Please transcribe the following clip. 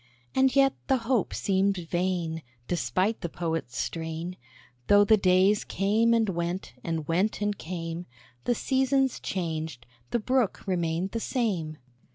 And yet the hope seemed vain; Despite the Poet's strain, Though the days came and went, and went and came, The seasons changed, the Brook remained the same.